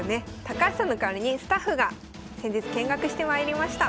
高橋さんの代わりにスタッフが先日見学してまいりました。